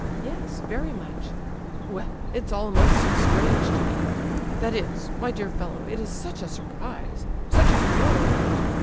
"Yes, very much." "Well—it's all most strange to me. That is—my dear fellow, it is such a surprise—such a blow—that...